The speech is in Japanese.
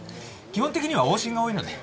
基本的には往診が多いので。